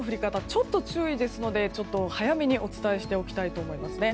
ちょっと注意ですので早めにお伝えしておきたいと思いますね。